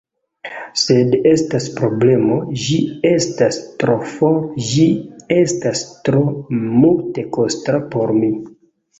Sed estas problemo: ĝi estas tro for, ĝi estas tro multekosta por mi.